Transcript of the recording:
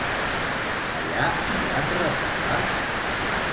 Allà hi van reposar?